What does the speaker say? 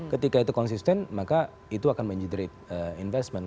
ketika itu konsisten maka itu akan menjadi investment